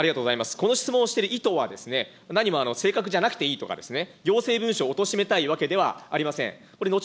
この質問をしている意図はですね、何も正確じゃなくていいとかですね、行政文書をおとしめたいわけではありません。